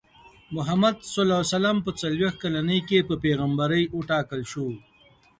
محمد ص په څلوېښت کلنۍ کې په پیغمبرۍ وټاکل شو.